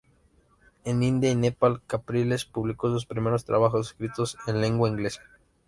En India y Nepal Capriles publicó sus primeros trabajos, escritos en lengua inglesa.